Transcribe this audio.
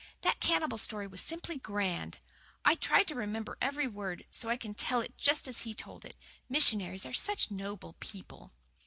That cannibal story was simply grand. I tried to remember every word, so that I can tell it just as he told it. Missionaries are such noble people."